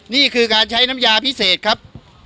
นี่คือการใช้น้ำยาพิเศษครับ